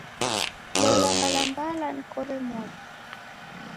Lola mbalambala dikore modo